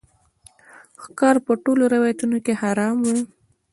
ښکار په ټولو روایاتو کې حرام وای